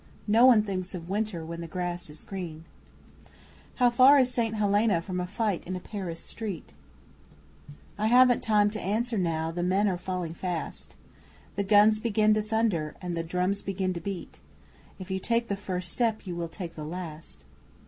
(No one thinks of winter when the grass is green!) How far is St Helena from a fight in Paris street? I haven't time to answer now the men are falling fast. The guns begin to thunder, and the drums begin to beat (If you take the first step you will take the last!)